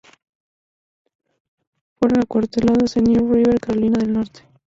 Fueron acuartelados en New River, Carolina del Norte.